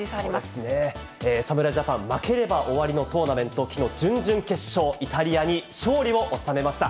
侍ジャパン、負ければ終わりのトーナメント、きのう、準々決勝、イタリアに勝利を収めました。